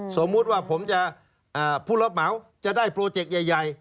สมมุติว่าผมจะผู้รับเหมาจะได้โปรเจกต์ใหญ่